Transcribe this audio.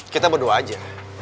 kita berdua aja